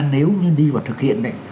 nếu như đi và thực hiện đấy